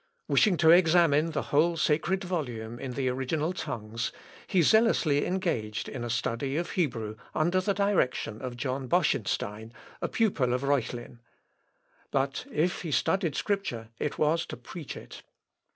Wishing to examine the whole sacred volume in the original tongues, he zealously engaged in the study of Hebrew, under the direction of John Boschenstein, a pupil of Reuchlin. But if he studied Scripture, it was to preach it.